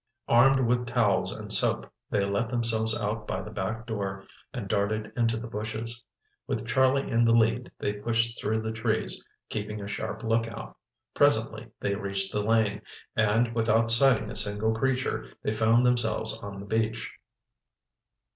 Armed with towels and soap, they let themselves out by the back door and darted into the bushes. With Charlie in the lead, they pushed through the trees, keeping a sharp lookout. Presently they reached the lane, and, without sighting a single creature, they found themselves on the beach.